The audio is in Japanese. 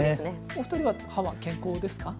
お二人は歯は健康ですか。